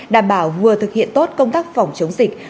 đảm bảo vừa thực hiện tốt công tác phòng chống dịch